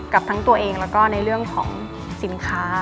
กับทั้งตัวเองแล้วก็ในเรื่องของสินค้า